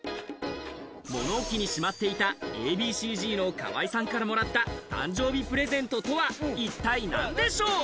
物置にしまっていたＡ．Ｂ．Ｃ−Ｚの河合さんからもらった誕生日プレゼントとは一体なんでしょう？